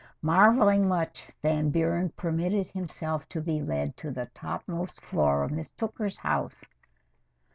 Marveling much, Van Buren permitted himself to be led to the topmost floor of Miss Tooker's house.